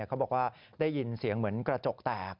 เขาบอกว่าได้ยินเสียงเหมือนกระจกแตก